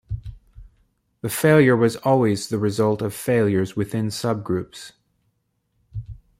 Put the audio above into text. The failure was always the result of failures within subgroups.